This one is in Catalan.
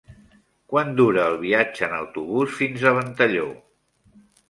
Quant dura el viatge en autobús fins a Ventalló?